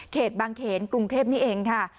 บางเขนกรุงเทพนี่เองค่ะ